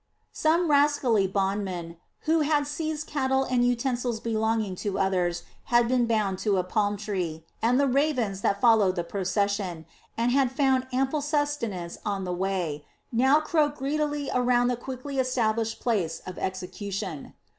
Some rascally bondmen who had seized cattle and utensils belonging to others had been bound to a palmtree, and the ravens that followed the procession; and had found ample sustenance on the way, now croaked greedily around the quickly established place of execution.